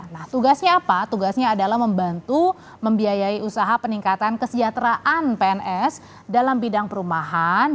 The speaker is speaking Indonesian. nah tugasnya apa tugasnya adalah membantu membiayai usaha peningkatan kesejahteraan pns dalam bidang perumahan